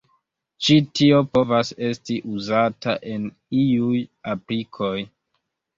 Ĉi tio povas esti uzata en iuj aplikoj.